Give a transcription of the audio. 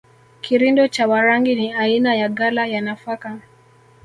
Kirindo cha Warangi ni aina ya ghala ya nafaka